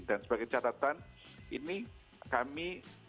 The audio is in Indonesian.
dan sebagai catatan ini kami